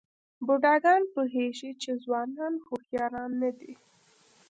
بوډاګان پوهېږي چې ځوانان هوښیاران نه دي.